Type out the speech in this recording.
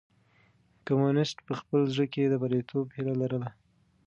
کمونيسټ په خپل زړه کې د برياليتوب هيله لرله.